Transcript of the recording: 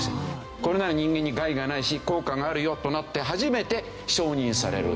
これなら人間に害がないし効果があるよとなって初めて承認される。